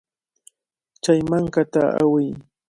Chay mankata awiy.